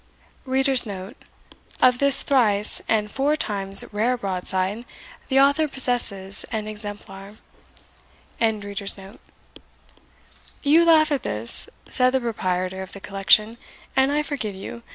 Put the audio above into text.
Of this thrice and four times rare broadside, the author possesses an exemplar. "You laugh at this," said the proprietor of the collection, "and I forgive you.